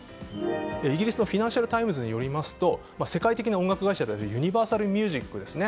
イギリスのフィナンシャル・タイムズによりますと世界的な音楽会社であるユニバーサルミュージックですね